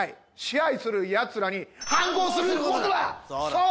そう！